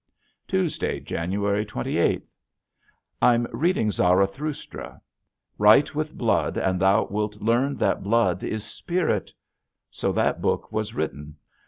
Tuesday, January twenty eighth. I'm reading "Zarathustra," "Write with blood, and thou wilt learn that blood is spirit." So that book was written.